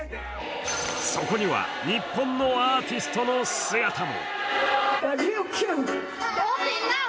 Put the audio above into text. そこには日本のアーティストの姿も。